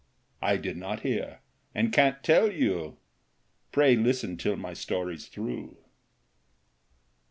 I did not hear and can't tell you, — Pray listen till my story 's through.